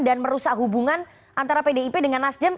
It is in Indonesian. dan merusak hubungan antara pdip dengan nasdem